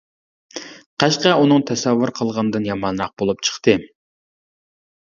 قەشقەر ئۇنىڭ تەسەۋۋۇر قىلغىنىدىن يامانراق بولۇپ چىقتى.